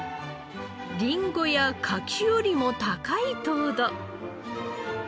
りんごや柿よりも高い糖度。